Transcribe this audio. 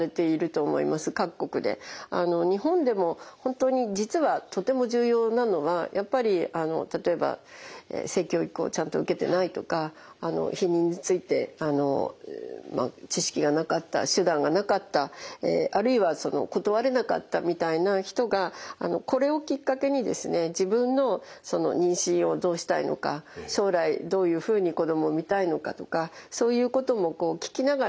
日本でも本当に実はとても重要なのはやっぱり例えば性教育をちゃんと受けてないとか避妊について知識がなかった手段がなかったあるいは断れなかったみたいな人がこれをきっかけにですね自分の妊娠をどうしたいのか将来どういうふうに子供を産みたいのかとかそういうことも聞きながらですね